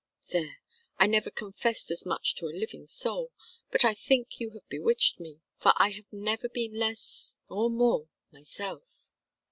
There! I never confessed as much to a living soul, but I think you have bewitched me, for I never have been less or more myself!"